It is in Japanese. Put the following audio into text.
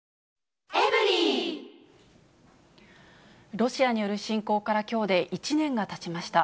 ロシアによる侵攻からきょうで１年がたちました。